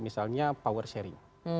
misalnya power sharing